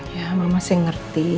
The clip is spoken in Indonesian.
ya mama sih ngerti